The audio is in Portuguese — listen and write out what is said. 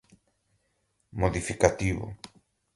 modificativo